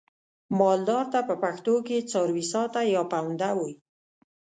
مالدار ته په پښتو کې څارويساتی یا پوونده وایي.